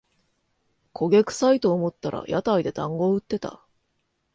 焦げくさいと思ったら屋台でだんご売ってた